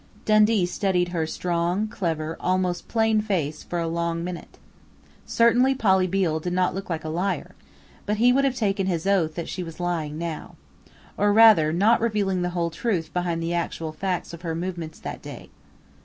Dundee studied her strong, clever, almost plain face for a long minute. Certainly Polly Beale did not look like a liar but he would have taken his oath that she was lying now. Or rather not revealing the whole truth behind the actual facts of her movements that day.